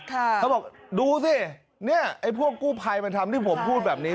เขาบอกดูสิเนี่ยไอ้พวกกู้ภัยมันทำที่ผมพูดแบบนี้